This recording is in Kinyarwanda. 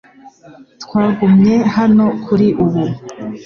Twagumye hano kuri ubu .